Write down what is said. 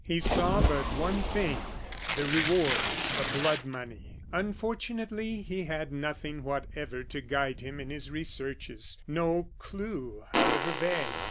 He saw but one thing the reward the blood money. Unfortunately, he had nothing whatever to guide him in his researches; no clew, however vague.